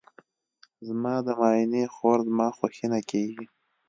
زما د ماینې خور زما خوښینه کیږي.